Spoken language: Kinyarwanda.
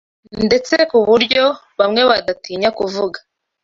ndetse ku buryo bamwe badatinya kuvuga: